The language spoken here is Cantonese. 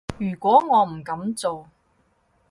如果我唔噉做